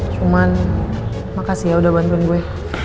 cuman makasih ya udah bantuin gue